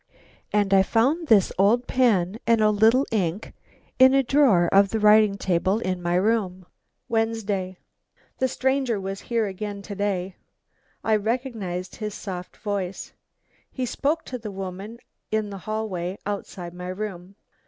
And I found this old pen and a little ink in a drawer of the writing table in my room. "Wednesday. The stranger was here again to day. I recognised his soft voice. He spoke to the woman in the hall outside my room.